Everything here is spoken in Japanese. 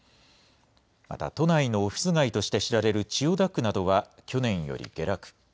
また、都内のオフィス街として知られる千代田区などは、去年より下落。